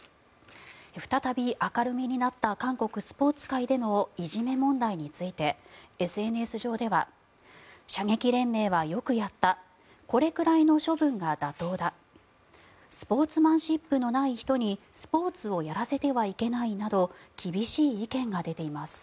再び明るみになった韓国スポーツ界でのいじめ問題についてＳＮＳ上では射撃連盟はよくやったこれくらいの処分が妥当だスポーツマンシップのない人にスポーツをやらせてはいけないなど厳しい意見が出ています。